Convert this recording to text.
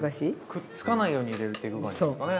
くっつかないように入れていく感じですかね？